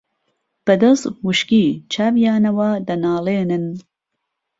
بەدەست وشکی چاویانەوە دەناڵێنن